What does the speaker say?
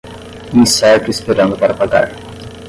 Incerto esperando para pagar